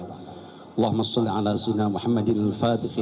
allahumma as sulih ala sunnah muhammadin al fatihil